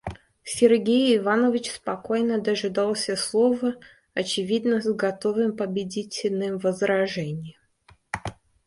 Сергей Иванович спокойно дожидался слова, очевидно с готовым победительным возражением.